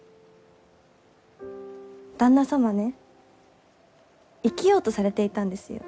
旦那様ね生きようとされていたんですよ。